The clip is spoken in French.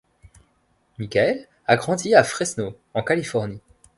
Michael a grandi à Fresno en Californie.